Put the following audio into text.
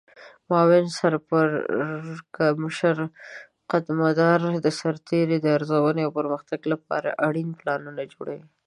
معاون سرپرکمشر قدمدار د سرتیرو د ارزونې او پرمختګ لپاره اړین پلانونه جوړوي.